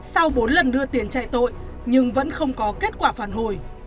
sau bốn lần đưa tiền chạy tội nhưng vẫn không có kết quả phản hồi